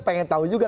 pengen tahu juga